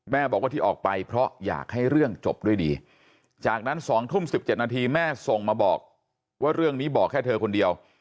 บอกว่าที่ออกไปเพราะอยากให้เรื่องจบด้วยดีจากนั้น๒ทุ่ม๑๗นาทีแม่ส่งมาบอกว่าเรื่องนี้บอกแค่เธอคนเดียว